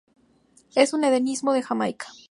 Es un endemismo de Jamaica.